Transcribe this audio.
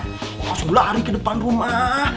gue langsung lari ke depan rumah